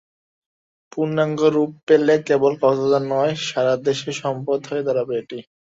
পুর্ণাঙ্গ রূপ পেলে কেবল কক্সবাজার নয়, সারা দেশের সম্পদ হয়ে দাঁড়াবে এটি।